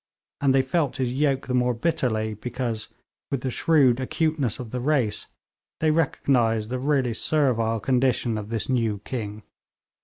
And they felt his yoke the more bitterly because, with the shrewd acuteness of the race, they recognised the really servile condition of this new king.